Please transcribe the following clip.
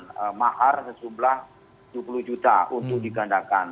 makan mahar sesumlah rp dua puluh juta untuk digandakan